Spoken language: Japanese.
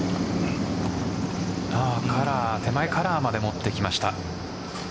手前カラーまでもっていきました。